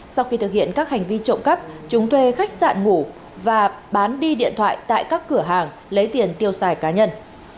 sau khi thực hiện các hành vi trộm cắp chúng thuê khách sạn ngủ và bán đi điện thoại tại các cửa hàng lấy tiền tiêu xài cá nhân